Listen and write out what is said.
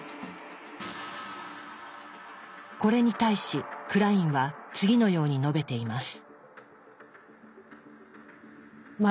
これに対しクラインは次のように述べています。